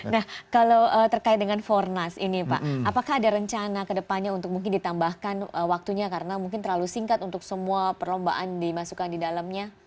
nah kalau terkait dengan fornas ini pak apakah ada rencana ke depannya untuk mungkin ditambahkan waktunya karena mungkin terlalu singkat untuk semua perlombaan dimasukkan di dalamnya